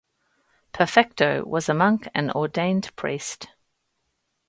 Perfecto was a monk and ordained priest.